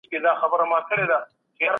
پانګه وال نظام بايد اصلاح سي.